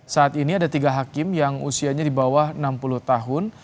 saat ini ada tiga hakim yang usianya di bawah enam puluh tahun